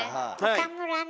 岡村ね